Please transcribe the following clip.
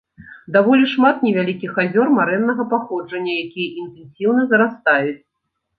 Даволі шмат невялікіх азёр марэннага паходжання, якія інтэнсіўна зарастаюць.